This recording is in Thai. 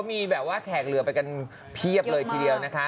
มีแบบว่าแขกเหลือไปกันเพียบเลยทีเดียวนะคะ